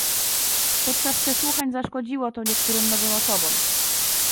Podczas przesłuchań zaszkodziło to niektórym nowym osobom